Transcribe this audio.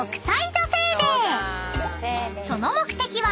［その目的は］